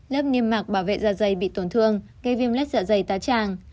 lớp niêm mạc bảo vệ dạ dày bị tổn thương gây viêm lết dạ dày tá tràng